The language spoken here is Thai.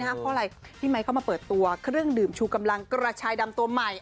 เพราะอะไรพี่ไมค์เข้ามาเปิดตัวเครื่องดื่มชูกำลังกระชายดำตัวใหม่